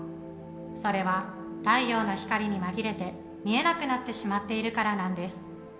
それは太陽の光に紛れて見えなくなってしまっているからなんです